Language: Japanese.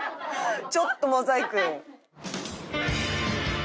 ちょっとモザイク。